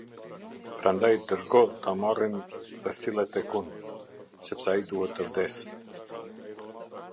Prandaj dërgo ta marrin dhe sille tek unë, sepse ai duhet të vdesë.